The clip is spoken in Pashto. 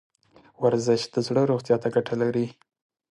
ورزش د زړه روغتیا ته ګټه لري.